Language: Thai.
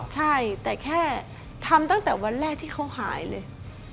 ใช่แต่แค่ทำตั้งแต่วันแรกที่เขาหายเลย